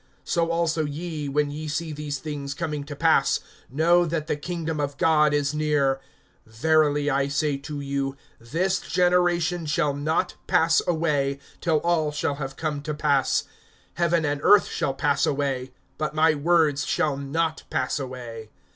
(31)So also ye, when ye see these things coming to pass, know that the kingdom of God is near. (32)Verily I say to you, this generation shall not pass away, till all shall have come to pass. (33)Heaven and earth shall pass away; but my words shall not pass away.